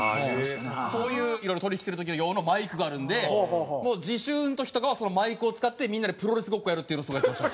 そういういろいろ取引する時用のマイクがあるんでもう自習の時とかはそのマイクを使ってみんなでプロレスごっこやるっていうのをすごいやってました。